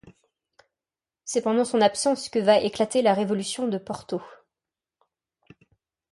C'est pendant son absence que va éclater la révolution de Porto.